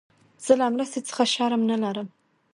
زه له مرستي څخه شرم نه لرم.